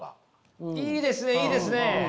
いいですねいいですね。